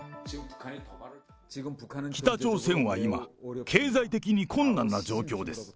北朝鮮は今、経済的に困難な状況です。